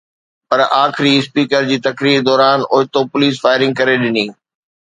پر آخري اسپيڪر جي تقرير دوران اوچتو پوليس فائرنگ ڪري ڏني